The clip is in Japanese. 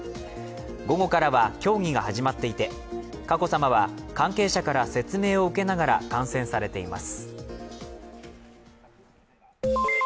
午後からは競技が始まっていて佳子さまは関係者から説明を受けながら観戦されています。